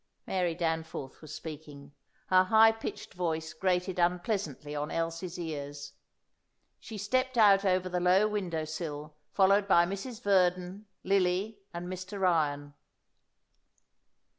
Mary Danforth was speaking; her high pitched voice grated unpleasantly on Elsie's ears. She stepped out over the low window sill, followed by Mrs. Verdon, Lily, and Mr. Ryan.